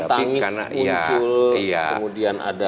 tangis muncul kemudian ada